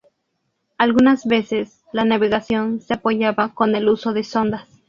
Algunas veces la navegación se apoyaba con el uso de sondas.